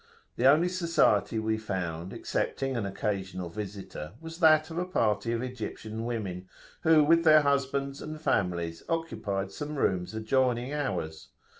The only society we found, excepting an occasional visitor, was that of a party of Egyptian women, who with their husbands and families occupied some rooms adjoining ours.